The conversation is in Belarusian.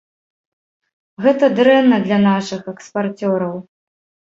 Гэта дрэнна для нашых экспарцёраў.